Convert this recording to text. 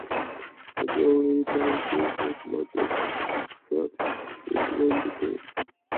The only time they pose much of a threat is when they charge.